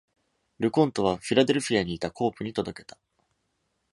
LeConte は Philadelphia にいた Cope に届けた。